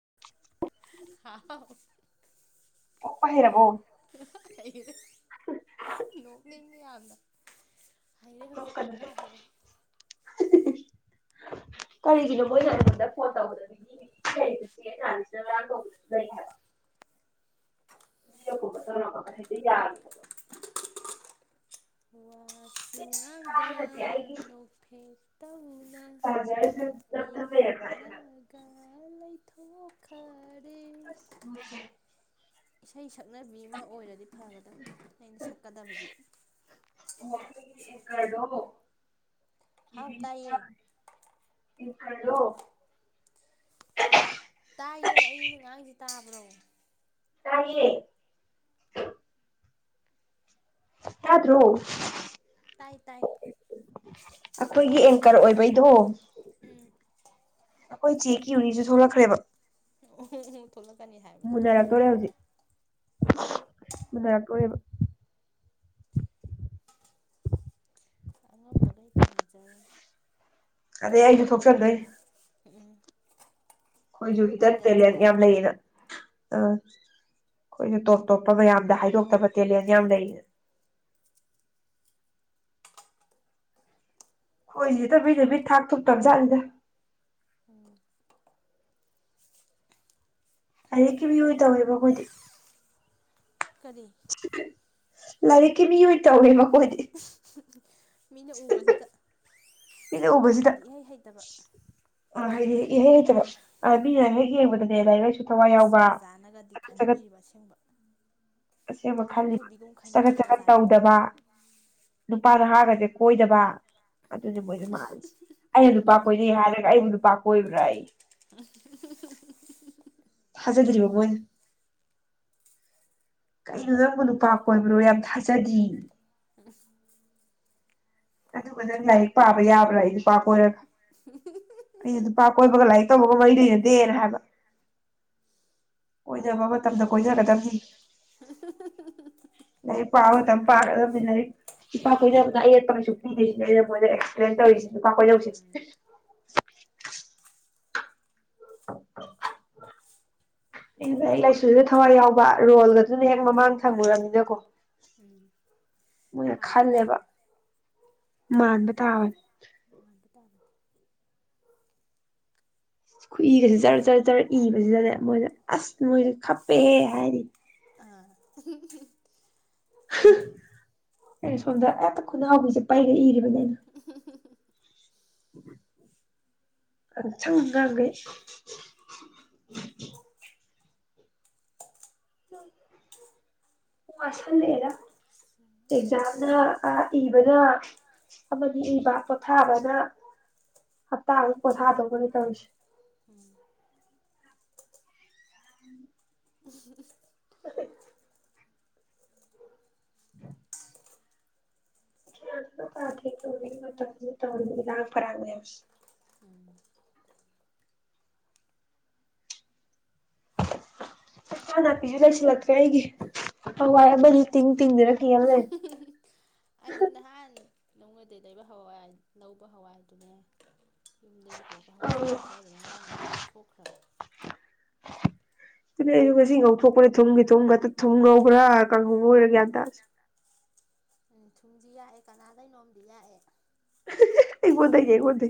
[unintelligible] ꯍꯥꯎ ꯄꯄ ꯍꯩꯔꯔꯕꯣ ꯍ‌ꯦꯔ‌ꯦ ꯅꯣꯛ ꯀ ꯌꯥꯗ ꯍꯥꯏꯔꯦ ꯍꯧꯖꯤꯛ ꯑꯣꯛꯄꯥꯏ ꯍꯥꯏꯔꯦ ꯀꯔꯤꯒꯤꯅꯣ ꯃꯣꯏꯅ ꯑꯩꯉꯣꯟꯗ ꯐꯣꯟ ꯇꯧꯒꯗꯕ ꯃꯤꯒꯤꯅꯤꯁꯤꯅ ꯉꯔꯥꯡ ꯇꯧꯕꯗꯁꯨ ꯂꯩ ꯍꯥꯏꯕ ꯃꯤ ꯑꯀꯨꯝꯕ ꯇꯧꯔꯛꯄꯒ ꯍꯦꯛꯇ ꯌꯥꯒꯦ ꯍꯥꯏꯕ ꯑꯣ ꯇꯧ ꯁꯥꯖꯔ ꯁ ꯂꯝ ꯊꯃꯦ ꯌꯥ ꯑ ꯂꯩ ꯊꯣꯛ ꯈꯔꯦ ꯑꯁ ꯍꯦ ꯏꯁꯩ ꯁꯛꯅꯕꯤ ꯑꯃ ꯑꯣꯏꯔꯗꯤ ꯐꯒꯗ ꯑꯩꯅ ꯁꯛꯀꯗꯕꯁꯤ [unintelligible] ꯑꯦꯡꯀ꯭ꫪꯗ‌ꯣ ꯍꯥꯎ ꯇꯥꯏꯌꯦ [unintelligible] ꯇꯥꯏꯌꯦ ꯑꯩꯅ ꯉꯥꯡꯁꯤ ꯇꯥꯕ꯭ꯔꯣ ꯇꯥꯏꯌꯦ ꯇꯥꯗ꯭ꯔꯣ ꯇꯥꯏ ꯇꯥꯏ ꯑꯩꯈꯣꯏꯒꯤ ꯑꯦꯡꯀꯔ ꯑꯣꯏꯕꯩꯗꯣ ꯎꯝ ꯑꯩꯈꯣꯏ ꯆꯦꯀꯤ ꯎꯅꯤꯁꯨ ꯊꯣꯛꯂꯛꯈ꯭ꯔꯦꯕ ꯑꯣ ꯊꯣꯛꯂꯛꯀꯅꯤ ꯍꯥꯏꯕꯗꯨ ꯊꯣꯛꯂꯛꯈ꯭ꯔꯦꯕ ꯃꯨꯅꯔꯛ ꯇꯣꯏꯔꯦꯕ ꯑꯉꯝꯕꯈꯩ ꯇꯧꯅꯖꯔꯅꯤ ꯑꯗꯦ ꯑꯩꯁꯨ ꯊꯣꯛꯆꯟꯗꯣꯏꯅꯤ ꯎꯝ ꯑꯩꯈꯣꯏꯁꯨꯨ ꯑꯃꯨꯛ ꯍꯤꯗꯟ ꯑꯣꯏꯅꯁꯦ ꯇꯦꯂꯦꯟ ꯌꯥꯝ ꯂꯩꯌꯦꯅ ꯑꯥ ꯑꯩꯈꯣꯏꯅ ꯇꯣꯞ ꯇꯣꯞꯄ ꯃꯌꯥꯝꯗ ꯍꯥꯏꯗꯣꯛꯇꯕ ꯇꯦꯂꯦꯟ ꯌꯥꯝ ꯂꯩꯅ ꯈꯣꯏꯁꯤ ꯇꯕꯤꯗꯕꯤ ꯊꯥꯛ ꯊꯨꯇꯕꯖꯥꯠꯂꯤꯗ ꯎꯝ ꯍꯩꯔꯛꯈꯤꯕ ꯇꯧꯋꯦꯕ ꯑꯩꯈꯣꯏꯗꯤ ꯀꯔꯤ ꯂꯥꯏꯔꯤꯛꯀꯤ ꯃꯤꯑꯣꯏ ꯇꯧꯋꯦꯕ ꯀꯣꯏꯗꯤ ꯃꯤꯅ ꯎꯕꯁꯤꯗ ꯃꯤꯗ ꯑꯗꯨꯒ ꯎꯕꯁꯤꯗ ꯍꯩꯗꯤ ꯏꯍꯩ ꯍꯩꯇꯕ ꯍꯥꯏꯗꯤ ꯇꯕ ꯑ ꯃꯤꯅ ꯍꯦꯛ ꯌꯦꯡꯕꯗꯅꯦ ꯂꯥꯏꯔꯤꯛ ꯂꯥꯏꯁꯨ ꯊꯋꯥꯏ ꯑꯁ ꯌꯥꯎꯕ ꯑꯣꯖꯥꯅꯒꯗꯤ ꯆꯒꯠ ꯆꯒꯠ ꯈꯟꯕꯤꯔꯤꯕ ꯑꯁꯦꯡꯕ ꯁꯦꯡꯕ ꯂꯥꯏꯔꯤꯛ ꯈꯜꯂꯤꯕ ꯍꯩꯕꯤꯒꯨꯝ ꯆꯒꯠ ꯈꯟꯕꯤꯔꯤꯕ ꯆꯒꯠ ꯑꯣꯖꯥꯅꯗꯤ ꯇꯧꯗꯕ ꯅꯨꯄꯥ ꯅꯍꯥꯒꯁꯦ ꯑꯣꯏꯗꯕ ꯑꯗꯨꯅꯦ ꯃꯣꯏꯅ ꯃꯥꯜꯂꯤꯁꯦ ꯑꯩꯅ ꯂꯨꯄꯥ ꯀꯣꯏꯅꯩ ꯍꯥꯏꯔꯒ ꯑꯩꯕꯨ ꯅꯨꯄꯥ ꯀꯣꯏꯕꯔꯥꯌꯦ [inaudible] ꯊꯥꯖꯗ꯭ꯔꯤꯕ ꯃꯣꯏꯅ ꯀꯩꯅꯣ ꯅꯪꯕꯨ ꯅꯨꯄꯥ ꯀꯣꯟꯕꯔꯣ ꯌꯥꯝ ꯊꯥꯖꯗꯦꯌꯦ ꯑꯗꯨꯒ ꯅꯪ ꯂꯥꯏꯔꯤꯛ ꯄꯥꯕ ꯌꯥꯕ꯭ꯔꯥꯌꯦ ꯅꯨꯄꯥ ꯀꯣꯏꯔꯒ ꯑꯩꯅ ꯅꯨꯄꯥ ꯀꯣꯏꯕꯒ ꯂꯥꯏꯔꯤꯛ ꯇꯧꯕꯒ ꯃꯔꯤ ꯂꯩꯅꯗꯦꯅ ꯍꯥꯏꯕ ꯀꯣꯏꯅꯕ ꯃꯇꯝꯗ ꯀꯣꯏꯅꯒꯗꯕꯅꯤ ꯂꯥꯏꯔꯤꯛ ꯄꯥꯕ ꯃꯇꯝ ꯄꯥꯒꯗꯕꯅꯤ ꯂꯥꯏꯔꯤꯛ ꯅꯨꯄꯥ ꯀꯣꯏꯅꯕ ꯑꯌꯦꯠꯄ ꯀꯩꯁꯨ ꯄꯤꯗꯦꯁꯤꯅꯤ ꯑꯩꯅ ꯃꯣꯏꯗ ꯑꯦꯛꯁꯄ꯭ꯂꯦꯟ ꯇꯧꯔꯤꯁꯤ ꯅꯨꯄꯥ ꯀꯣꯏꯅꯕꯁꯤ [inaudible] ꯎꯝ ꯑ ꯂꯥꯏꯔꯤꯛ ꯂꯥꯏꯁꯨꯗ ꯊꯋꯥꯏ ꯌꯥꯎꯕ ꯔꯣꯜꯒꯗꯨꯅ ꯍꯦꯛ ꯃꯃꯥꯡ ꯊꯪꯉꯨꯨꯔꯕꯅꯤꯅꯀꯣ ꯎꯝ ꯃꯣꯏꯅ ꯃꯥꯟꯕ ꯈꯜꯂꯦꯕ ꯇꯥꯕꯅꯤ ꯃꯥꯟꯕ ꯇꯥꯕꯅꯦ ꯃꯥꯟꯕ ꯇꯥꯕꯅꯤ ꯈꯨꯏꯒꯁꯤ ꯖꯔ ꯖꯔ ꯆꯔ ꯏꯕꯁꯤꯗꯅꯦ ꯃꯣꯏꯗ ꯑꯁ ꯃꯣꯏꯁꯦ ꯈꯞꯄꯦꯍꯦ ꯍꯥꯏꯗꯤ ꯑ ꯑꯩꯅꯣ ꯁꯣꯝꯗ ꯑꯝꯇ ꯈꯨꯅꯥꯎꯕꯤꯁꯦ ꯄꯥꯏꯔ ꯏꯔꯦ ꯑ ꯊꯪꯒꯥꯒꯦ ꯋꯥꯁꯤꯜꯂꯛꯑꯦꯗ ꯑꯦꯛꯖꯥꯝꯅ ꯏꯕꯅ ꯑꯃꯗꯤ ꯏꯕ ꯄꯣꯊꯥꯕꯅ ꯍꯞꯇꯥꯃꯨꯛ ꯄꯣꯊꯥꯗꯧꯅꯦ ꯇꯧꯔꯤꯁꯦ ꯎꯝ ꯑ ꯎꯝ ꯥꯊ ꯇꯧꯔ ꯐꯔꯃꯦꯁ ꯎꯝ ꯍ ꯅ ꯄꯤꯖ ꯂꯩ ꯁꯤ ꯀꯩꯒꯤ ꯑꯋꯥꯕꯅꯤ ꯊ ꯇꯤꯟꯗꯤ ꯔꯈꯅꯦ ꯅꯣꯡꯉꯗꯤ ꯂꯩꯕ ꯍꯋꯥꯏ ꯂꯧꯕ ꯍꯋꯥꯏꯗꯨꯅꯦ ꯌꯨꯝꯗꯒꯤ ꯄꯨꯔꯛꯄ ꯍꯋꯥꯏ ꯑꯧ ꯑꯁꯥꯡꯕꯤ ꯈꯔꯗꯨꯅ ꯉꯔꯥꯡ ꯉꯥꯎꯊꯣꯛꯈ꯭ꯔꯦ ꯑꯗꯨꯅꯦ ꯑꯩꯁꯨ ꯉꯁꯤ ꯉꯧꯊꯣꯛꯄꯅꯦ ꯊꯨꯝꯒꯤ ꯊꯨꯝꯒ ꯊꯨꯝ ꯉꯧꯕ꯭ꯔꯥ ꯀꯥꯡꯍꯧꯕ ꯑꯣꯏꯔꯒ ꯒ꯭ꯌꯥꯟ ꯇꯥꯔꯁꯤ ꯎꯝ ꯊꯨꯝꯗꯤ ꯌꯥꯥꯛꯑꯦ ꯀꯅꯥꯗꯩꯅꯣꯝꯗꯤ ꯂꯥꯛꯑꯦ ꯑꯩꯃꯣꯊꯥꯏ ꯑꯩꯃꯗꯦ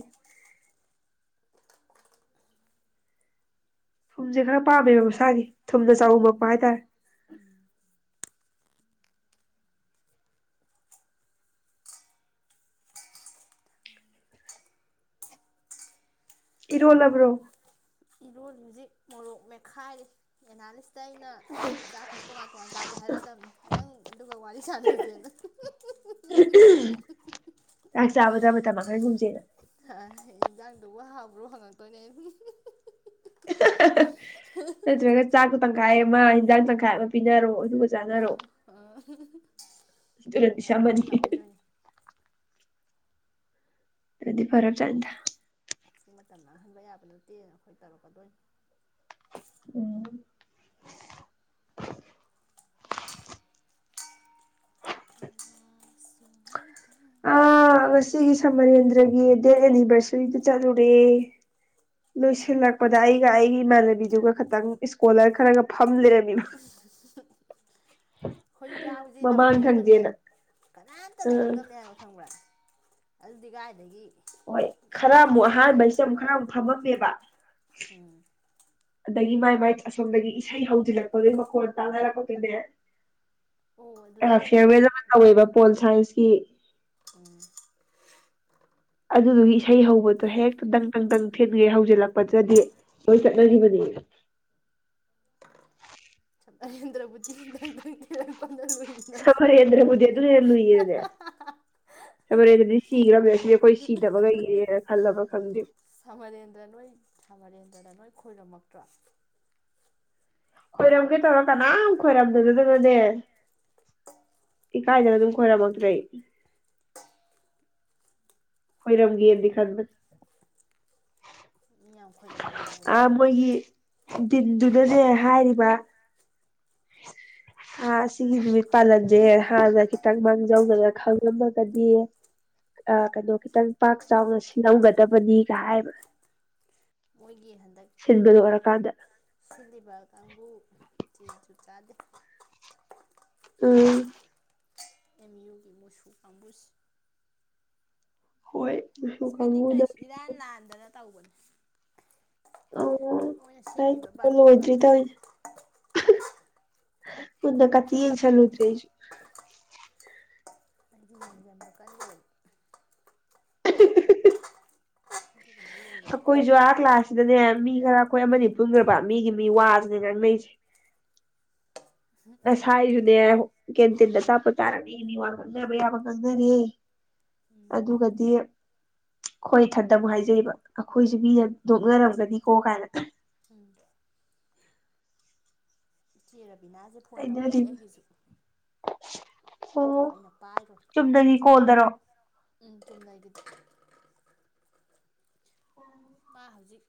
ꯊꯨꯝꯁꯦ ꯈꯔ ꯄꯥꯝꯃꯦꯕ ꯃꯁꯥꯒꯤ ꯊꯨꯝꯅ ꯆꯨꯝꯃꯛꯄ ꯍꯥꯏꯇꯥꯔꯦ ꯏꯔꯣꯜꯂꯕ꯭ꯔꯣ ꯏꯔꯣꯟ ꯍꯧꯨꯖꯤꯛ ꯃꯣꯔꯣꯛ ꯃꯦꯠꯈꯥꯏꯔꯤ ꯑꯦꯅꯥꯂꯤꯁ ꯑ ꯑꯩꯅ ꯆꯥꯛ ꯈꯁꯦ ꯇꯣꯉꯥꯟ ꯇꯣꯉꯥꯟ ꯆꯥꯥꯁꯦ ꯍꯥꯏꯔꯛꯑꯗꯕꯅꯤ ꯅꯪ ꯑꯗꯨꯒ ꯋꯥꯔꯤ ꯁꯥꯟꯅꯗꯦꯅ ꯆꯥꯛ ꯆꯥꯕꯗ ꯃꯇꯝ ꯃꯥꯡꯍꯟꯒꯨꯝꯁꯦꯅ ꯏꯟꯖꯥꯡꯗꯨꯕꯨ ꯍꯥꯕ꯭ꯔꯣ ꯍꯪꯉꯛꯇꯣꯏꯅꯦ ꯠꯇꯒ ꯆꯥ ꯀ ꯇ ꯀꯥꯏ ꯃꯥ ꯏꯟꯗ ꯈ ꯄꯤ ꯔꯣ ꯎꯝ ꯎꯝ ꯑꯗꯨꯅꯗꯤ ꯑꯩꯈꯣꯏꯅ ꯁꯝꯃꯅꯤ ꯃꯥꯡꯍꯜꯂꯛꯑꯣꯏꯗꯣꯏꯅꯦ ꯑꯗꯨꯗꯤ ꯐꯔꯞ ꯆꯗ ꯑꯥꯀꯤ ꯃꯇꯝ ꯃꯥꯡꯍꯟꯕ ꯌꯥꯕ ꯅꯠꯇꯦ ꯑꯩꯈꯣꯏ ꯇꯧꯔꯛꯀꯗꯣꯏꯅꯤ ꯎꯝ ꯑ ꯉꯁꯤꯒꯤ ꯁꯃꯔꯦꯟꯗ꯭ꯔꯒꯤ ꯗꯦꯠ ꯑꯦꯅꯤꯚꯔꯁꯔꯤꯗꯨ ꯆꯠꯂꯨꯔꯦ ꯂꯣꯏꯁꯤꯜꯂꯛꯄꯗ ꯑꯩꯒ ꯑꯩꯒꯤ ꯏꯃꯥꯟꯅꯕꯤꯗꯨꯒ ꯇꯪ ꯏꯁꯀꯣꯂꯔ ꯈꯔꯒ ꯐ ꯐꯝ ꯂꯩꯔꯃꯤꯅ ꯍꯣꯏꯁꯨ ꯌꯥꯎꯁꯦ ꯇꯧꯔꯝꯃꯤ ꯑꯗꯨꯒꯅꯦ ꯊꯪꯖꯦꯅ ꯀꯅꯥꯝꯇ ꯑꯥ ꯂꯩꯍꯧꯗꯕꯅꯦ ꯍꯥꯏꯕ ꯈꯪꯕ꯭ꯔꯥ ꯑꯜꯗꯤꯒꯥꯏꯗꯗꯒꯤ ꯍꯣꯏ ꯈꯔ ꯑꯃꯨꯛ ꯑꯍꯥꯟꯕꯁꯦ ꯑꯃꯨꯛ ꯈꯔ ꯑꯃꯨꯛ ꯐꯝꯃꯝꯃꯦꯕ ꯎꯝ ꯑꯗꯒꯤ ꯃꯥꯏ ꯃꯥꯏ ꯑꯁꯣꯝꯗꯒꯤ ꯏꯁꯩ ꯍꯧꯖꯤꯜꯂꯛꯄꯒꯤ ꯃꯈꯣꯟ ꯇꯥꯟꯅꯔꯛꯄꯗꯨꯅꯦ ꯑꯣ ꯑꯗꯨꯗꯩꯔ ꯐꯤꯌꯥꯔ ꯅꯣꯏ ꯋꯦꯁ ꯑꯃ ꯇꯧꯋꯦꯕ ꯄꯣꯜ ꯁꯥꯏꯟꯁꯀꯤ ꯎꯝ ꯑꯗꯨ ꯍꯩ ꯍꯧꯕꯗꯣ ꯍꯦꯛꯇ ꯗꯪ ꯇꯪ ꯗꯪ ꯊꯤꯟꯒꯦ ꯍ ꯍꯧꯖꯤꯜꯂꯛꯄ ꯄꯠꯆꯗꯦ ꯂꯣꯏ ꯆꯠꯅꯈꯤꯕꯅꯤ ꯑꯍꯦꯟꯗ꯭ꯔꯕꯨꯤꯪ ꯁꯃꯔꯦꯟꯗ꯭ꯔꯕꯨꯗꯤ ꯑꯗꯨꯅ ꯍꯦꯟꯅ ꯂꯨꯏꯔꯅꯦ ꯁꯃꯔꯦꯟꯗ꯭ꯔꯗꯤ ꯁꯤꯈ꯭ꯔꯕꯅꯦ ꯁꯤꯗꯤ ꯑꯩꯈꯣꯏ ꯁꯤꯗꯕ ꯀꯩꯒꯤꯅꯦꯅ ꯈꯜꯂꯕ ꯈꯪꯗꯦ ꯑꯗꯨꯅ ꯅꯣꯏ ꯈꯣꯏꯔꯝꯃꯛꯇ꯭ꯔꯣ ꯈꯣꯏꯔꯝꯒꯦ ꯇꯧꯔ ꯀꯅꯥꯝ ꯈꯣꯏꯔꯝꯗꯣꯏꯅꯗꯅꯅꯦ ꯏꯀꯥꯏꯗꯅ ꯑꯗꯨꯝ ꯈꯣꯏꯔꯝꯃꯛꯇ꯭ꯔꯦ ꯍꯣꯏꯔꯝꯒꯤꯔꯟꯗꯤ ꯈꯟꯗ ꯃꯤ ꯌꯥꯝ ꯑ ꯈꯣꯏꯔꯝꯅꯍꯧꯕꯅꯤꯅꯦ ꯃꯣꯏꯒꯤ ꯟꯗꯨꯗꯅꯦ ꯍꯥꯏꯔꯤꯕ ꯑꯥ ꯁꯤ ꯄꯥꯂꯔꯖꯦ ꯍꯥ ꯈꯤ ꯇꯪ ꯃꯥꯡꯖꯧꯗꯅ ꯈꯪꯂꯝꯃꯒꯗꯤ ꯑ ꯀꯩꯅꯣ ꯈꯤꯇꯪ ꯄꯥꯛ ꯆꯥꯎꯅ ꯁꯤꯍꯧꯒꯗꯕꯅꯤꯒ ꯍꯥꯏꯕ ꯃꯣꯏ ꯒꯤ ꯍꯟꯗꯛ ꯁꯤꯟꯕ ꯂꯣꯏꯔꯀꯥꯟꯗ ꯁꯤꯜꯂꯤꯕ ꯀꯥꯡꯕꯨ ꯆꯦꯡ ꯆꯨꯞ ꯆꯥꯗ ꯎꯝ ꯑꯦꯝ ꯌꯨꯒꯤ ꯃꯨꯁꯨ ꯄꯥꯝꯕꯨꯁ ꯍꯣꯏ ꯃꯨꯁꯨ ꯏꯁꯄꯤꯂꯤꯡ ꯀꯔꯤ ꯀꯥꯡꯕꯨꯅ ꯏꯔꯥꯟ ꯂꯥꯟꯗꯅ ꯇꯧꯕꯅꯣ ꯑꯣ ꯃꯣꯏ ꯂꯥꯏꯔꯤꯛ ꯁꯤꯃꯤꯕ ꯇꯝꯕ ꯇ ꯎꯝ ꯀꯗ꯭ꯔ ꯍꯨꯗ ꯀꯗꯤ ꯆꯂꯨꯗꯔꯦꯁꯨ ꯑꯩꯗꯤ ꯀꯜ ꯑꯗꯨꯒꯨꯝꯕ ꯌꯦꯡꯁꯤꯟꯕ ꯑꯩꯈꯣꯏꯁꯨ ꯑꯥ ꯀ꯭ꯂꯥꯁꯁꯤꯗꯅꯦ ꯃꯤ ꯈꯔ ꯑꯩꯈꯣꯏ ꯑꯃꯅꯤ ꯄꯨꯟꯈ꯭ꯔꯕ ꯃꯤꯒꯤ ꯃꯤ ꯋꯥꯁꯤꯅꯦ ꯉꯥꯡꯅꯁꯦ ꯑꯁꯥꯏꯁꯨꯨꯅꯦ ꯀꯦꯟ ꯇꯤꯟꯗ ꯆꯥꯞꯄ ꯇꯥꯔꯅꯤꯅꯦ ꯋꯥ ꯈꯪꯗꯕ ꯌꯥꯕ ꯈꯪꯗꯅꯤꯦ ꯎꯝ ꯑꯗꯨꯒꯗꯤ ꯍꯣꯏ ꯊꯟꯗ ꯑꯃꯨꯛ ꯍꯥꯏꯖꯩꯕ ꯑꯩꯈꯣꯏꯁꯨ ꯃꯤ ꯅꯣꯛꯅꯔꯝꯒꯅꯤꯀꯣ ꯀꯥꯏꯅ ꯎꯝ ꯁꯤ ꯕꯤꯅꯥꯁꯦ ꯐꯣꯟ ꯇꯧꯔꯛꯏ ꯍꯩꯅꯔꯤꯕ ꯑꯩꯒꯤꯁꯨ ꯑꯣ ꯑꯗꯨꯕꯨ ꯑꯩꯅ ꯄꯥꯏꯔꯣꯏ ꯆꯨꯝꯗꯅꯤ ꯀꯣꯜꯗꯔꯣ ꯎꯝ ꯆꯉꯗ ꯃꯥ ꯍꯧꯖꯤꯛ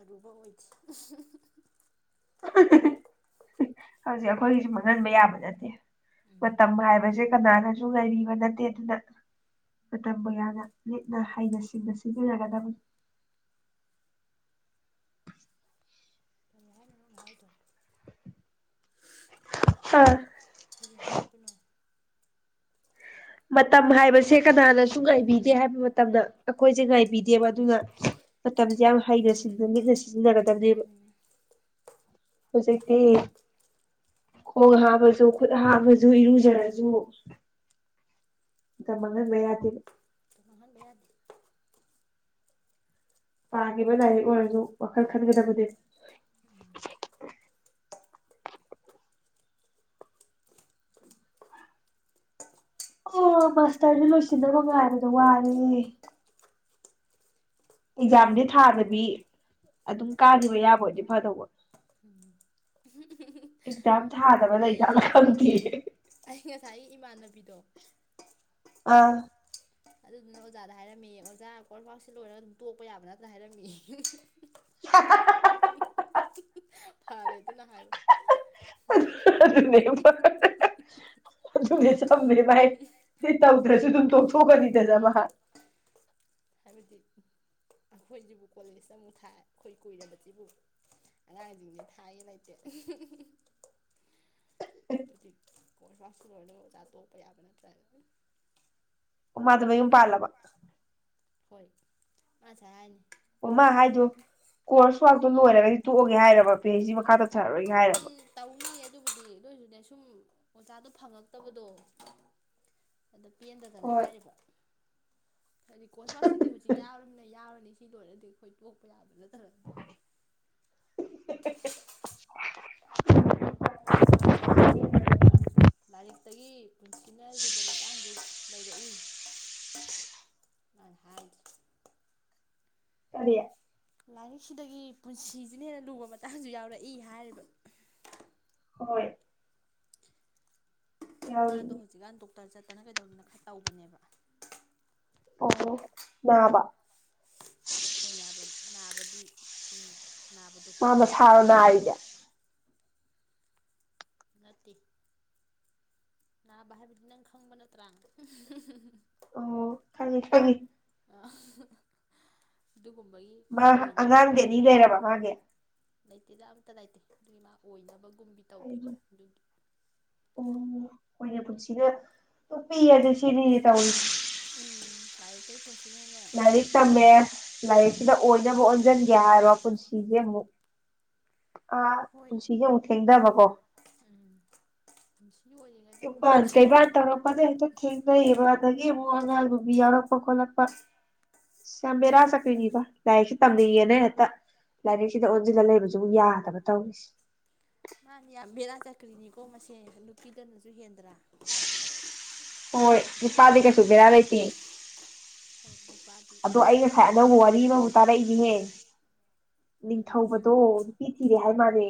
ꯑꯗꯨꯨꯕ ꯑꯣꯏꯊ ꯍꯧꯖꯤꯛ ꯑꯩꯈꯣꯏꯒꯤꯁꯨ ꯃꯥꯡꯍꯟꯕ ꯌꯥꯕ ꯅꯠꯇꯦ ꯃ ꯎꯝ ꯇꯝꯕ ꯍꯥꯏꯥꯏꯕꯖꯦ ꯀꯅꯥꯅꯁꯨ ꯉ ꯅꯠꯇꯦ ꯑꯗꯨꯅ ꯃꯇꯝꯕꯨ ꯌꯥꯝꯅ ꯂꯤꯠꯅ ꯍꯩꯅ ꯁꯤꯡꯅ ꯁꯤꯖꯤꯟꯅꯒꯗꯕꯅꯤ ꯍꯥꯏꯅ ꯥꯏꯗꯣ ꯑꯥ ꯀꯔꯤ ꯍꯥꯏꯗꯅꯣ ꯃꯇꯝ ꯍꯥꯏꯕꯁꯦ ꯀꯅꯥꯅꯁꯨ ꯉꯥꯏꯕꯤꯗꯦ ꯍꯥꯏꯕ ꯃꯇꯝꯗ ꯑꯩꯈꯣꯏꯁꯦ ꯉꯥꯏꯕꯤꯗꯦꯕ ꯑꯗꯨꯅ ꯃꯇꯝꯁꯦ ꯌꯥꯝ ꯍꯩꯅꯁꯤ ꯆꯖ ꯀ ꯇꯕꯤꯕ ꯎꯝ ꯍꯧꯖꯤꯛꯇꯤ ꯈꯣꯡ ꯍꯥꯞꯕꯁꯨ ꯈꯨꯠ ꯍꯥꯕꯁꯨ ꯏꯔꯨꯖꯔꯁꯨ ꯀ ꯃꯒ ꯕꯌꯥꯇ ꯃꯥꯡꯍꯟꯕ ꯌꯥꯗꯦ ꯄꯥꯈꯤꯕ ꯂꯥꯏꯔꯤꯛ ꯑꯣꯏꯔꯁꯨ ꯋꯥꯈꯜ ꯈꯟꯒꯗꯕꯗꯤ ꯑꯣ ꯃꯥꯁꯇꯔꯗꯨ ꯂꯣꯏꯁꯤꯟꯗꯕ ꯉꯥꯏꯕꯗꯣ ꯋꯥꯔꯦ ꯑꯦꯛꯖꯥꯝꯗꯤ ꯊꯥꯗꯕꯤ ꯑꯗꯨꯝ ꯀꯥꯈꯤꯕ ꯌꯥꯕꯗꯤ ꯐꯗꯧꯕ ꯑꯦꯛꯖꯥꯝ ꯊꯥꯗꯕ ꯂꯩ ꯀꯂꯗꯤ ꯉꯁꯥꯏ ꯏꯃꯥꯟ ꯎꯕꯤꯗꯣꯛ ꯑꯥ ꯑꯗꯨꯗꯨꯅ ꯑꯣꯖꯥꯗ ꯍꯥꯏꯔꯝꯃꯤ ꯑꯣꯖꯥ ꯀꯐꯥꯎꯁꯦ ꯂꯣꯏꯔꯒ ꯑꯗꯨꯝ ꯇꯣꯛꯄ ꯌꯥꯕ ꯅꯠꯇꯅ ꯍꯥꯏꯔꯝꯃꯤ ꯐꯥꯔꯦ ꯑꯗꯨꯅ ꯍꯥꯏꯌ ꯑꯗꯨ ꯆꯦꯥꯏ ꯇꯧꯗ꯭ꯔꯁꯨ ꯑꯗꯨ ꯇꯧ ꯊꯣꯛ ꯀꯅꯤꯗꯖꯕ ꯑꯥ ꯍꯥ ꯍꯥꯏꯕꯗꯤ ꯑꯩꯈꯣꯏꯁꯤꯕꯨ ꯀꯣꯂꯦꯖꯇ ꯑꯃꯨꯛ ꯊꯥꯏ ꯑꯩꯈꯣꯏ ꯀꯨꯏꯁꯤꯕꯨ ꯑꯉꯥꯡꯁꯤꯡꯁ ꯊꯥꯏꯌꯦ ꯂꯩꯇꯦ ꯑꯗꯨ ꯀꯣꯔꯁꯁꯨ ꯂꯣꯏ ꯑꯣꯖꯥ ꯇꯣꯛꯄ ꯌꯥꯕ ꯅꯠꯇ꯭ꯔ ꯃꯗꯨꯕꯨꯝ ꯄꯥꯂꯕ ꯍꯣꯏ ꯑꯆꯥ ꯍꯥꯏꯅꯦ ꯑꯣꯃꯥ ꯍꯥꯏꯗꯣ ꯀꯣꯔꯁ ꯋꯥꯥꯛꯇꯣ ꯂꯣꯏꯔꯒꯗꯤ ꯇꯣꯛꯑꯒꯦ ꯍꯥꯏꯔꯕ ꯐꯦ ꯁꯤ ꯃꯈꯥ ꯇ ꯇꯧꯅꯤ ꯑꯗꯨꯕꯨꯗꯤ ꯂꯣꯏꯁꯨꯅꯦ ꯁꯨꯝ ꯑꯣꯖꯥꯗꯣ ꯐꯪꯉꯛꯇꯕꯗꯣ ꯑꯗꯨ ꯄꯦꯟꯗꯗꯅ ꯍꯣꯏ ꯍꯥꯏꯔꯤꯕ ꯍꯥꯏꯗꯤ ꯀꯣꯁꯄꯥꯁꯤꯗꯤ ꯍꯧꯖꯤꯛ ꯌꯥꯎꯝꯅꯤꯅ ꯌꯥꯎ ꯁꯤ ꯂꯣꯏꯔꯗꯤ ꯑꯩꯈꯣꯏ ꯇꯣꯛꯄ ꯌꯥꯕ ꯅꯠꯇꯕ ꯃꯥꯅ ꯉ ꯁꯥꯏ ꯍꯥꯏꯅꯤ ꯂꯥꯏꯔꯤꯛꯇꯒꯤ ꯄꯨꯟꯁꯤꯅ ꯂꯨꯕ ꯃꯇꯥꯡꯗ ꯂꯩꯔꯛꯏ ꯃꯥꯅ ꯍꯥꯏꯔꯤ ꯀꯗꯌꯥ ꯂꯥꯏꯔꯤꯛꯁꯤꯗꯒꯤ ꯄꯨꯟꯁꯤꯁꯤꯅ ꯍꯦꯟꯅ ꯂꯨꯕ ꯃꯇꯥꯡꯁꯨ ꯌꯥꯎꯔꯛꯏ ꯍꯥꯏꯔꯤꯕ ꯍꯣꯏ ꯍ ꯇ ꯌꯥꯎꯔꯤꯅꯤ ꯍꯧꯖꯤꯒꯥꯟ ꯇ ꯗꯣꯛꯇꯔ ꯆꯠꯇꯅ ꯀꯩꯗꯧꯗꯅ ꯈꯔ ꯇꯧꯕꯅꯦꯕ ꯑꯣ ꯅꯥꯕ ꯍꯣꯏ ꯅꯥꯕ ꯅꯥꯕꯗꯤ ꯁꯨꯝ ꯅꯥꯕꯗꯣ ꯑ ꯁꯔꯅ ꯍꯥꯏ ꯌꯥ ꯅꯠꯇꯦ ꯅꯥꯕ ꯍꯥꯏꯕꯗꯤ ꯅꯪ ꯈꯪꯕ ꯅꯠꯇ꯭ꯔꯥ ꯈꯪꯦ ꯐꯉꯦ ꯑ ꯃꯥ ꯑꯉꯥꯡꯒꯤꯅꯤ ꯂꯩꯔꯕ ꯃꯥꯒꯤ ꯂꯩꯇꯦꯗ ꯑꯝꯇ ꯂꯩꯇꯦ ꯑꯗꯨꯒꯤ ꯃꯥ ꯑꯣꯏꯅꯕ ꯍꯥꯏꯅ ꯑꯣ ꯑꯩꯈꯣꯏꯒꯤ ꯄꯨꯟꯁꯤꯗ ꯇꯨꯞꯄꯤ ꯑꯁ ꯁꯤꯅꯤꯗꯤ ꯇꯧꯔꯤꯁꯦ ꯎꯝ ꯇꯥꯏ ꯇꯩ ꯂꯥꯏꯔꯤꯛ ꯇꯝꯃꯦ ꯂꯥꯏꯔꯤꯛꯁꯤꯗ ꯑꯣꯏꯅꯕ ꯑꯣꯟꯁꯤꯟꯒꯦ ꯍꯥꯏꯔꯣ ꯄꯨꯟꯁꯤꯁꯦ ꯑꯃꯨꯛ ꯑꯥ ꯍꯣꯏ ꯄꯨꯟꯁꯤꯒꯤꯦ ꯑꯃꯨꯛ ꯊꯦꯡꯊꯕꯀꯣ ꯎꯝ ꯌꯣꯜꯂꯤꯉꯩꯗ ꯑꯃꯨꯛ ꯀꯕꯥ ꯂꯥꯛꯏ ꯀꯩꯕꯥꯥꯟ ꯇꯧꯔꯛꯄꯅꯦ ꯍꯦꯛꯇ ꯊꯦꯡꯅꯩꯑꯕ ꯑꯗꯒꯤ ꯑꯉꯥꯜꯒꯨꯝꯕꯤ ꯌꯥꯎꯔꯛꯄ ꯈꯣꯠꯂꯛꯄ ꯑ ꯌꯥꯝ ꯃꯦꯔꯥ ꯆꯠꯄꯤꯕ ꯂꯥꯏꯔꯤꯛꯁꯤ ꯇꯝꯅꯤꯡꯉꯦꯅ ꯍꯦꯛꯇ ꯂꯥꯏꯔꯤꯛꯁꯤꯗ ꯑꯣꯟꯁꯤꯜꯂ ꯂꯩꯕꯁꯨꯕꯨ ꯌꯥꯗꯕ ꯇꯧꯔꯤꯁꯦ ꯃꯥꯅꯤ ꯌꯥꯝ ꯕꯦꯔꯥ ꯆꯀ꯭ꯔꯤꯅꯤꯀꯣ ꯃꯁꯦ ꯅꯨꯄꯤꯗꯅꯁꯨ ꯍꯦꯟꯗ꯭ꯔꯥ ꯑꯣ ꯅꯨꯄꯥꯗꯤ ꯀꯩꯁꯨꯒꯔꯥ ꯂꯩꯦꯇ ꯍꯣꯏ ꯅꯨꯄꯥꯗꯤ ꯑꯗꯣ ꯑꯩ ꯉꯁꯥꯏ ꯑꯅꯧꯕ ꯋꯥꯔꯤ ꯑꯃꯕꯨ ꯇꯥꯔꯛꯏꯅꯦꯅꯦꯦ ꯈꯔꯗꯤ ꯋꯥꯅꯤ ꯅꯤꯡꯊꯧꯧꯕꯗꯣ ꯅꯨꯄꯤ ꯊꯤꯔꯦ ꯍꯥꯏ ꯃꯥꯜꯂꯦ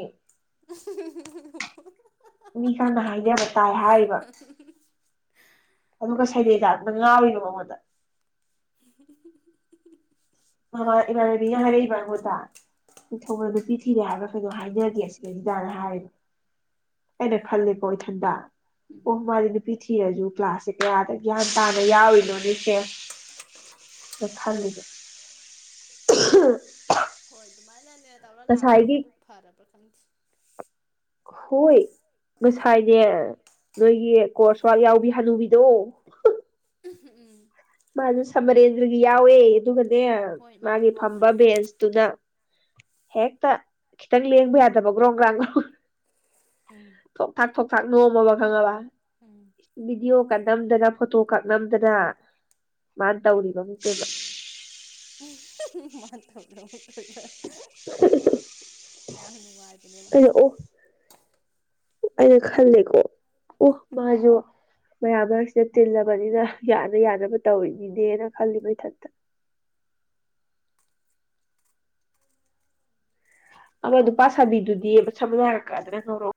ꯃꯤ ꯀꯥꯟꯅ ꯍꯥꯏꯗꯕ ꯇꯥꯏ ꯍꯥꯏꯔꯤꯕ ꯑꯗꯨꯒ ꯁꯩꯗꯦꯡ ꯃ ꯉꯥ ꯑꯣꯏꯅ ꯃꯃꯗ [inaudible] ꯃꯥ ꯏꯃꯥꯟꯅꯕꯤꯅ ꯍꯥꯏꯔꯛꯏꯕ ꯑꯩꯉꯣꯟꯗ ꯅꯤꯡ ꯊꯅ ꯅꯨꯄꯤ ꯊꯤꯔꯦ ꯍꯥꯏꯕ ꯀꯩꯅꯣ ꯍꯥꯏꯅꯒꯦ ꯁꯤꯗꯩꯁꯤꯗꯥꯅ ꯍꯥꯏꯔꯤꯗ ꯑꯩꯅ ꯈꯜꯂꯦꯀꯣ ꯏꯊꯟꯗ ꯎꯝ ꯑꯣ ꯃꯥꯗꯤ ꯅꯨꯄꯤ ꯊꯤꯔꯁꯨ ꯀ꯭ꯂꯥꯁꯁꯦ ꯀꯌꯥꯗ ꯒ꯭ꯌꯥꯟ ꯇꯥꯅ ꯌꯥꯎꯔꯤꯅꯣ ꯅꯁꯦ ꯑ ꯈꯜꯂꯤꯗ ꯑ ꯅꯦ ꯇꯧꯔ ꯂꯥꯛꯄꯣꯛ ꯐꯔꯦ ꯀ ꯍꯣꯏ ꯉꯁꯥꯏꯅꯦ ꯅꯣꯏꯒꯤ ꯀꯣꯔꯁ ꯋꯥꯥꯛ ꯌꯥꯎꯕꯤ ꯍꯅꯨꯕꯤꯗꯣ ꯎꯝ ꯑꯗꯨ ꯁꯃꯔꯦꯟꯗ꯭ꯔꯒꯤ ꯌꯥꯎꯋꯦ ꯑꯗꯨꯒ ꯅꯦ ꯍꯣꯏ ꯃꯥ ꯃꯥꯒꯤ ꯐꯝꯕ ꯐꯝꯍꯧꯕꯅꯤ ꯕꯦꯟꯁꯇꯨꯅ ꯍꯦꯛꯇ ꯈꯤꯇꯪ ꯂꯦꯡꯕ ꯌꯥꯗꯕꯒ꯭ꯔꯣꯒ꯭ꯔꯥꯡꯒꯣ ꯎꯝ ꯊꯔ ꯄꯣꯛꯇꯥꯛ ꯅꯣꯝꯃꯕ ꯈꯪꯉꯕ ꯎꯝ ꯕꯤꯗꯤꯣ ꯀꯠꯅꯝꯗꯅ ꯐꯣꯇꯣ ꯀꯛꯅꯝꯗꯅ ꯃꯥꯅ ꯇꯧꯔꯤꯕꯃꯛꯇꯦꯕ ꯃ ꯇꯔꯣ ꯇ [inaudible] ꯌꯥꯅꯅꯨꯡꯥꯏ ꯈꯨ ꯑꯩꯅ ꯑꯖ ꯑꯣ ꯑꯩꯅ ꯈꯜꯂꯦꯀꯣ ꯑꯣ ꯃꯥꯁꯨ ꯃꯌꯥꯝ ꯃꯔꯛꯁꯤꯗ ꯇꯤꯜꯂꯕꯅꯤꯅ ꯌꯥꯅ ꯌꯥꯅꯕ ꯇꯧꯔꯤꯅꯤꯅꯦꯅ ꯈꯜꯂꯤ ꯃꯩꯊꯟꯛꯇ ꯑꯃ ꯅꯨꯄꯥ ꯁꯥꯕꯤꯗꯨꯗꯤꯕ ꯁꯝꯅ ꯍꯥꯏꯔꯛꯀꯗꯅ ꯍꯧꯧꯔꯛꯑꯣ